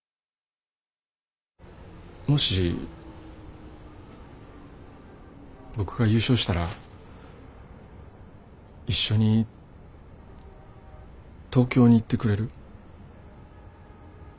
もし僕が優勝したら一緒に東京に行ってくれる？